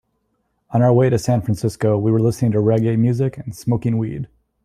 On our way to San Francisco, we were listening to reggae music and smoking weed.